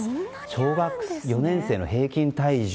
小学４年生の平均体重。